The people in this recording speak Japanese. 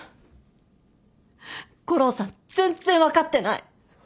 悟郎さん全然分かってない！